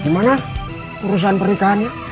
gimana urusan pernikahannya